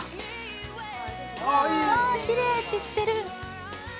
きれい、散ってる。